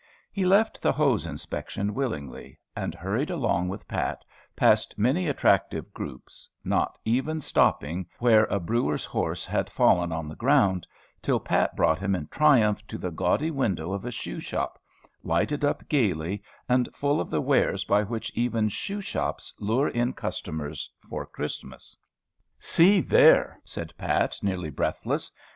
He left the hose inspection willingly, and hurried along with Pat, past many attractive groups, not even stopping where a brewer's horse had fallen on the ground, till Pat brought him in triumph to the gaudy window of a shoe shop, lighted up gayly and full of the wares by which even shoe shops lure in customers for Christmas. "See there!" said Pat, nearly breathless.